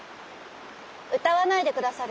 歌わないでくださる？